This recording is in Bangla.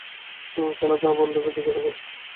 কেন, তাহা তোমার বন্ধুকে জিজ্ঞাসা করো।